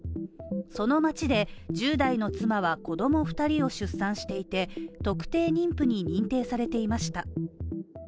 その街で１０代の妻は子供２人を出産していて特定妊婦に認定されていました。